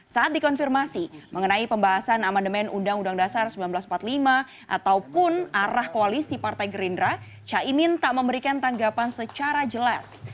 saat dikonfirmasi mengenai pembahasan amandemen undang undang dasar seribu sembilan ratus empat puluh lima ataupun arah koalisi partai gerindra caimin tak memberikan tanggapan secara jelas